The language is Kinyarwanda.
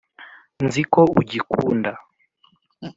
nzi ko ugikunda